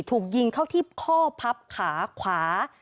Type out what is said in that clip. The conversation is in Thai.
ถูกยิงเข้าที่ข้อพับขาขวา